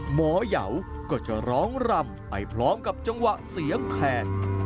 เหมาก็จะร้องรำไปพร้อมกับจังหวะเสียงแขน